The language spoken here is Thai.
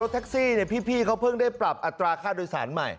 แท็กซี่พี่เขาเพิ่งได้ปรับอัตราค่าโดยสารใหม่